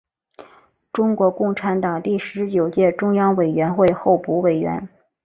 中国共产党第十九届中央委员会候补委员。